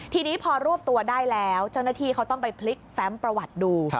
ทีนี้พอรวบตัวได้แล้วเจ้าหน้าที่เขาต้องไปพลิกแฟมประวัติดู